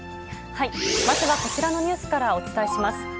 まずはこちらのニュースからお伝えします。